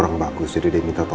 aku tak mau